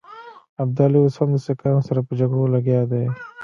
ابدالي اوس هم د سیکهانو سره په جګړو لګیا دی.